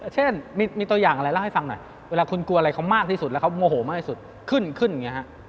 เช่นมีตัวอย่างอะไรเล่าให้ฟังหน่อยเวลาคุณกลัวอะไรเขามากที่สุดแล้วเขาโมโหมากที่สุดขึ้นขึ้นอย่างนี้ฮะ